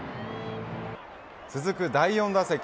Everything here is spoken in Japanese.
続く第４打席。